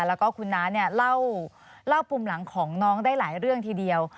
แล้วก็คุณน้าเนี่ยเล่าปุ่มหลังของน้องได้หลายเรื่องทีเดียว